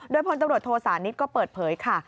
โดยพลตำรวจโทษานิทก็เปิดเผยค่ะ